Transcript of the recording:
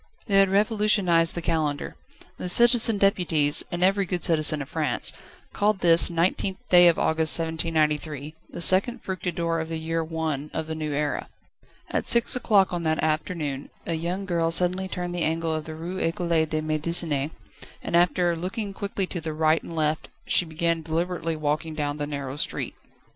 They had revolutionised the Calendar: the Citizen Deputies, and every good citizen of France, called this 19th day of August 1793 the 2nd Fructidor of the year I. of the New Era. At six o'clock on that afternoon a young girl suddenly turned the angle of the Rue Ecole de Médecine, and after looking quickly to the right and left she began deliberately walking along the narrow street.